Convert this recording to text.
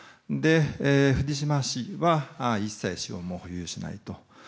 藤島氏は一切資本も有しないと。